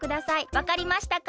わかりましたか？